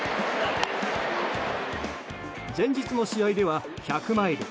前日の試合では１００マイル